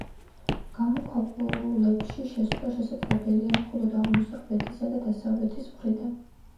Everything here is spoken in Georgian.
გამოქვაბულებში შესვლა შესაძლებელია მხოლოდ აღმოსავლეთისა და დასავლეთის მხრიდან.